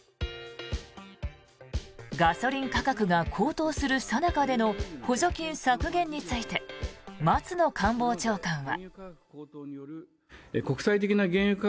ガソリン価格が高騰するさなかでの補助金削減について松野官房長官は。